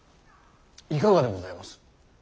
いかがでございます。